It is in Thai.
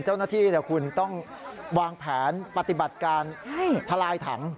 เจ้าหน้าที่คุณต้องวางแผนปฏิบัติการทลายถัง